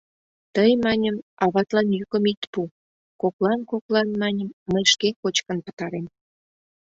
Тый, маньым, аватлан йӱкым ит пу: коклан-коклан, маньым, мый шке кочкын пытарем...